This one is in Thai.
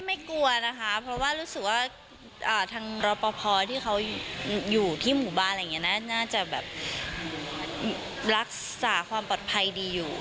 ไม่กลัวนะคะเพราะรู้สึกว่าทางรปภอยู่ที่หมู่บ้านน่าจะรักษาความปลอดภัยดีอยู่